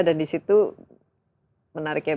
dan di situ menarik ya